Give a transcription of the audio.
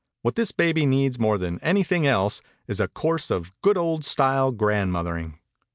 What this baby needs more than anything else is a course of good, old style grandmother ing."